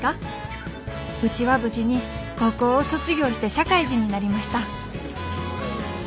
うちは無事に高校を卒業して社会人になりました。